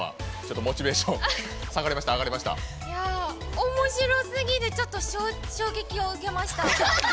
おもしろすぎてちょっと衝撃を受けました。